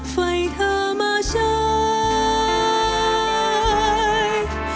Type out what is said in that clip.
ไฟเธอมาใช้